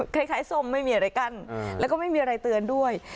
ส้มไม่มีอะไรกั้นแล้วก็ไม่มีอะไรเตือนด้วย